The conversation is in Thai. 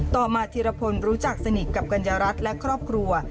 ต่อมาธีรพลรู้จักสนิทกับกัญญารัฐและครอบครัว